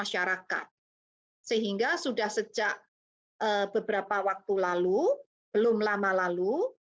sehingga sudah sejak beberapa waktu lalu belum lama lalu